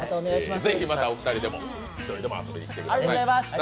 ぜひまたお二人でも１人でも遊びに来てください。